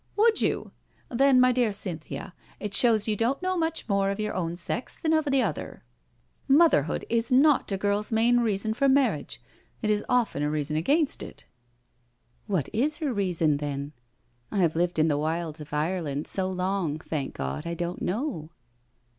" Would you? Then my dear Cynthia, it shows you don't know much more of your own sex than of the other. Motherhood is not a girl's main reason for marriage — it b often a reason against it." " What is her reason, then? I have lived in the wilds of Ireland so long, thank God, I don't know."